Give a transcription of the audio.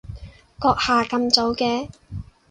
閣下咁早嘅？